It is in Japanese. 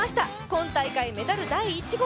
今大会メダル第１号。